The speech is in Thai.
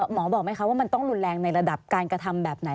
หมอบอกไหมคะว่ามันต้องรุนแรงในระดับการกระทำแบบไหน